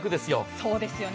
そうですね。